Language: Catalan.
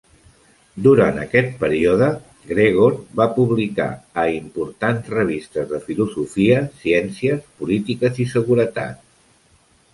Durant aquest període, Gregor va publicar a importants revistes de filosofia, ciències polítiques i seguretat.